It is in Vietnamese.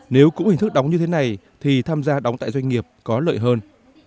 nếu cũng hình thức đóng như thế này thì tham gia đóng tại doanh nghiệp có lợi hơn